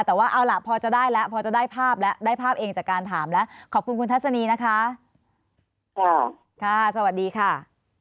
แต่ว่าเอาล่ะพอจะได้แล้วพอจะได้ภาพแล้วได้ภาพเองจากการถามแล้วขอบคุณคุณทัศนีนะคะค่ะสวัสดีค่ะ